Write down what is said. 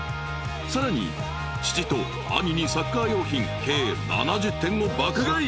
さらに父と兄にサッカー用品計７０点を爆買い。